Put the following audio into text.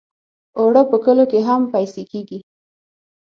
اوړه په کلو کې هم پېسې کېږي